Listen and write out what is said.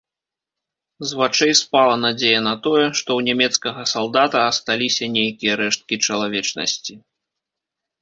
З вачэй спала надзея на тое, што ў нямецкага салдата асталіся нейкія рэшткі чалавечнасці.